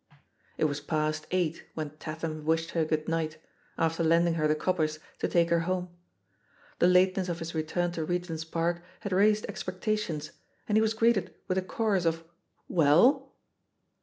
It was past eight when Tatham wished her good night, after lending her the coppers to take THE POSITION OF PEGGY HARPER M her home. The lateness of his return to Regent's Park had raised expectations, and he was greeted with a chorus of "Well?"